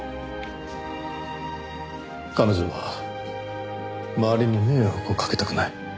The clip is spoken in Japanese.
彼女は周りに迷惑をかけたくない。